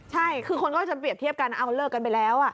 ใช่คือคนก็จะเปรียบเทียบกันเอาเลิกกันไปแล้ว